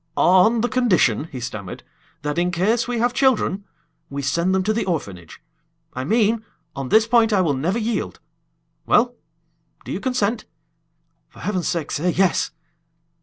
"On the condition," he stammered, "that, in case we have children, we send them to the orphanage. I mean on this point I will never yield. Well, do you consent? For heaven's sake, say yes!"